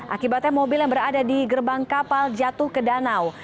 akibatnya mobil yang berada di gerbang kapal jatuh ke danau